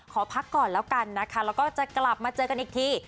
ขอพักก่อนแล้วกันนะคะแล้วก็จะกลับมาเจอกันอีกที